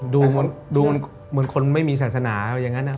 ดูเหมือนคนไม่มีศาสนาอย่างนั้นนะครับ